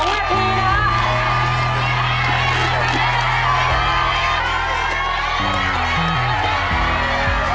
สองนาทีนะ